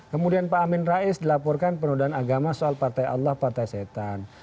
kemudian pak amin rais dilaporkan penodaan agama soal partai allah partai setan